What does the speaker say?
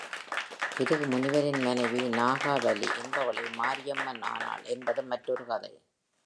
பிருகு முனிவரின் மனைவி நாகாவலி என்பவளே மாரியம்மன் ஆனாள் என்பது மற்றொரு கதை.